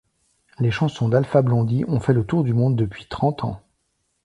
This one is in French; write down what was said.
Les chansons d’Alpha Blondy ont fait le tour du monde depuis trente ans.